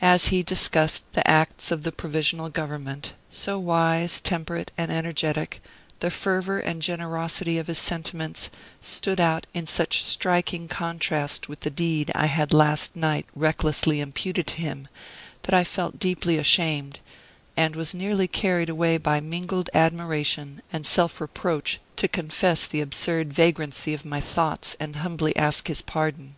As he discussed the acts of the provisional government, so wise, temperate, and energetic, the fervor and generosity of his sentiments stood out in such striking contrast with the deed I had last night recklessly imputed to him that I felt deeply ashamed, and was nearly carried away by mingled admiration and self reproach to confess the absurd vagrancy of my thoughts and humbly ask his pardon.